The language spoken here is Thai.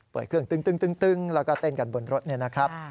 เปิดเครื่องตึ้งแล้วก็เต้นกันบนรถนี่นะครับ